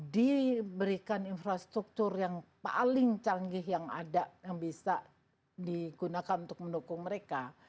diberikan infrastruktur yang paling canggih yang ada yang bisa digunakan untuk mendukung mereka